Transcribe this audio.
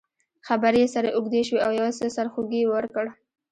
خبرې یې سره اوږدې شوې او یو څه سرخوږی یې ورکړ.